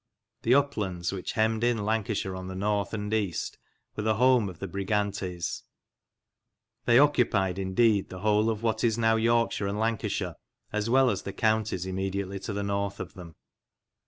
The uplands which hemmed in Lancashire on the north and east were the home of the Brigantes. They occupied, indeed, the whole of what is now Yorkshire and Lancashire, as well as the counties immediately to the north of them.